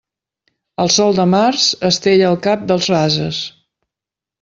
El sol de març estella el cap dels ases.